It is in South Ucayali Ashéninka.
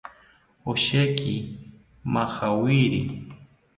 Osheki majawiri